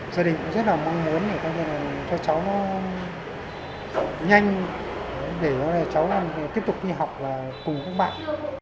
gia đình cũng rất là mong muốn cho cháu nhanh để cháu tiếp tục đi học cùng các bạn